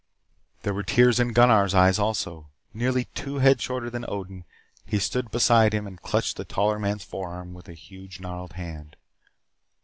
There were tears in Gunnar's eyes also. Nearly two heads shorter than Odin, he stood beside him and clutched the taller man's forearm with a huge, gnarled hand.